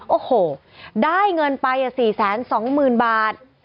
โอ้โหได้เงินไป๔๒๐๐๐บาท